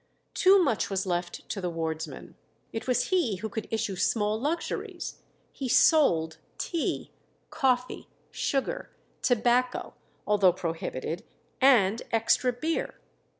Too much was left to the wardsman. It was he who could issue small luxuries; he sold tea, coffee, sugar, tobacco, although prohibited, and extra beer.